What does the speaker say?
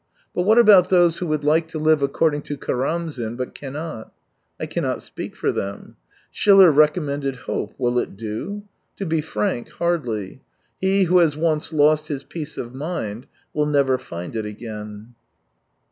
But what about those who would like to live according to Karamzin, but cannot ? I cannot speak for them. Schiller recomr mended hope. WiU it do ? To be frank, hardly. He who has once lost his peace of mind will never find it again.